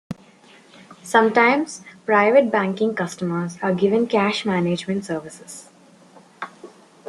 Sometimes, private banking customers are given cash management services.